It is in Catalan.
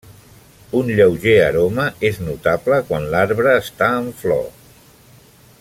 Un lleuger aroma és notable quan l'arbre està en flor.